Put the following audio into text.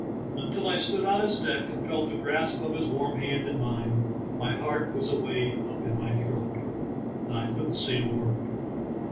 Until I stood on his deck, and felt the grasp of his warm hand in mine, my heart was awaj^ up in my throat, and I couldn't say a word.